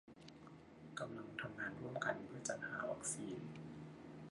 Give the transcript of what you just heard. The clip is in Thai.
กำลังทำงานร่วมกันเพื่อจัดหาวัคซีน